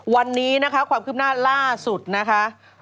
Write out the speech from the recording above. วันนี้นะคะความคืบหน้าล่าสุดนะคะ